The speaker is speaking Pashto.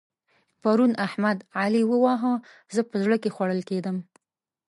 پرون احمد؛ علي وواهه. زه په زړه کې خوړل کېدم.